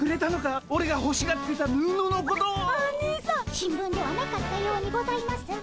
新聞ではなかったようにございますが。